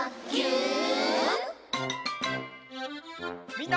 みんな。